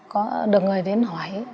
có được người đến hỏi